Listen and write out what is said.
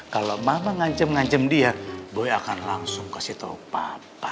kalau mama ngancam ngancam dia boy akan langsung kasih tau papa